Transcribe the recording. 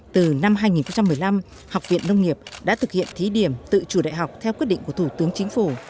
từ năm hai nghìn một mươi năm học viện nông nghiệp đã thực hiện thí điểm tự chủ đại học theo quyết định của thủ tướng chính phủ